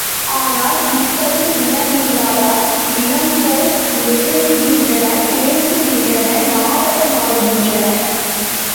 ஆனால் இத்தகு இனமல்லா தார் இனம்போல் நெருங்குகின்றனர் பேசுகின்றனர் நாடக மாடுகின்றனர்.